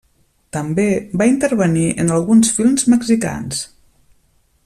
També va intervenir en alguns films mexicans.